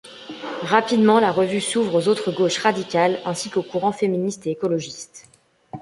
Rapidement, la revue s’ouvre aux autres gauches radicales ainsi qu'aux courants féministes et écologistes.